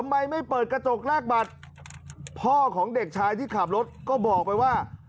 ไม่เปิดกระจกแลกบัตรพ่อของเด็กชายที่ขับรถก็บอกไปว่า